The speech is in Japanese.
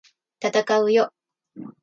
闘うよ！！